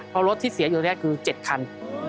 เพราะรถที่เสียอยู่ตรงนี้คือ๗คัน